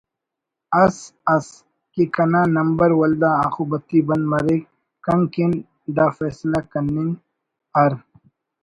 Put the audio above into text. اس ئس کہ کنا نمبر ولدا آخبتی بند مریک کن کن دا فیصلہ کننگ ہر